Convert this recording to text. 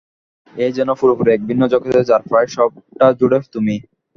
এ যেন পুরোপুরি এক ভিন্ন জগত যার প্রায় সবটা জুড়ে তুমি।